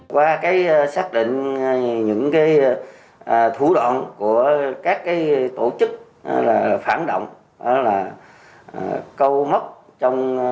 qua cái xác định những cái thú đoạn